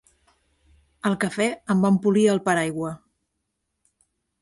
Al cafè em van polir el paraigua.